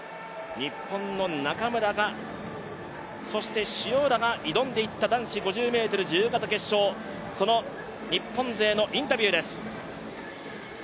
日本の中村が、そして塩浦が挑んでいった男子５０ｍ自由形決勝、その日本勢のインタビューです。